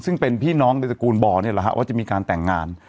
ซึ่งเป็นพี่น้องในตระกูลบ่อนี่แหละฮะว่าจะมีการแต่งงาน